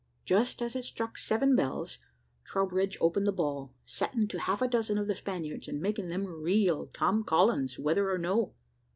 Just as it struck seven bells, Troubridge opened the ball, setting to half a dozen of the Spaniards, and making them reel `Tom Collins,' whether or no.